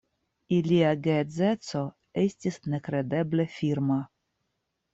Ilia geedzeco estis nekredeble firma.